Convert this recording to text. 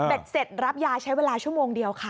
เสร็จรับยาใช้เวลาชั่วโมงเดียวค่ะ